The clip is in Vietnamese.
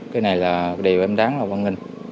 cái này là điều em đáng quan hệ